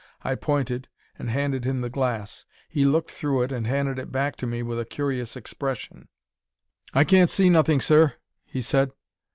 I pointed and handed him the glass. He looked through it and handed it back to me with a curious expression. "'I can't see nothing, sir,' he said.